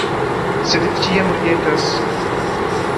Sed Vi ĉiam ridetas.